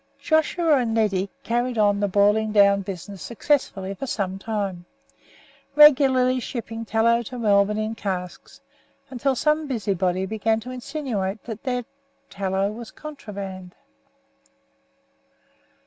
Joshua and Neddy carried on the boiling down business successfully for some time, regularly shipping tallow to Melbourne in casks, until some busybody began to insinuate that their tallow was contraband.